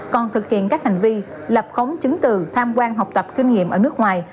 còn thực hiện các hành vi lập khống chứng từ tham quan học tập kinh nghiệm ở nước ngoài